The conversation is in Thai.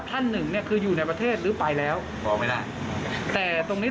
ยังไม่มีใครติดต่อมาเลยใช่ไหมสองคนนี้